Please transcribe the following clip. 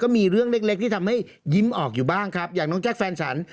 มีเรื่องเล็กเล็กที่ทำให้ยิ้มออกอยู่บ้างครับอย่างน้องแจ๊คแฟนฉัน